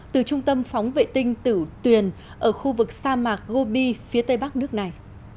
từ trung tâm phóng vệ tinh tử tuyền ở khu vực sa mạc gobi phía tây bắc nước này